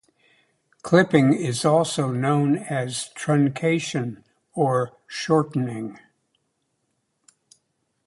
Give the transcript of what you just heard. Clipping is also known as "truncation" or "shortening.